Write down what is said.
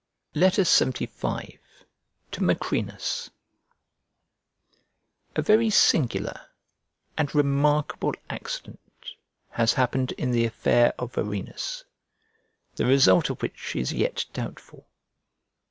LXXV To MACRINUS A VERY singular and remarkable accident has happened in the affair of Varenus, the result of which is yet doubtful.